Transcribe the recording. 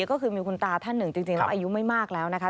ก็คือมีคุณตาท่านหนึ่งจริงแล้วอายุไม่มากแล้วนะคะ